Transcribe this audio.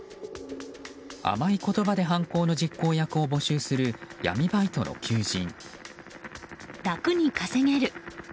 甘い言葉で犯行の実行役を募集する闇バイトの求人。